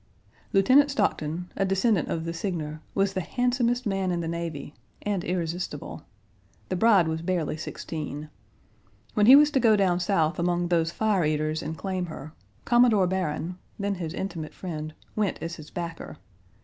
Lieutenant Stockton (a descendant of the Signer) was the handsomest man in the navy, and irresistible. The bride was barely sixteen. When he was to go down South among those fire eaters and claim her, Commodore Barron, then his intimate friend, went as his backer.